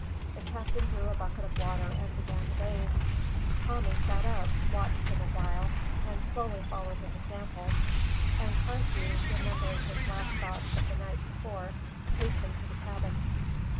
The captain drew a bucket of water and began to bathe. Tommy sat up, watched him awhile, and slowly followed his example; and Carthew, remembering his last thoughts of the night before, hastened to the cabin.